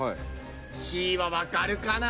Ｃはわかるかな？